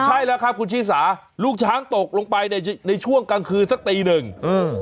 ใช่แล้วครับคุณชิสาลูกช้างตกลงไปในในช่วงกลางคืนสักตีหนึ่งเออ